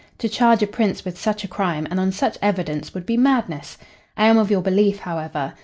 To charge a prince with such a crime and on such evidence would be madness. I am of your belief, however.